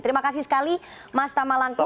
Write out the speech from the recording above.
terima kasih sekali mas tama langkun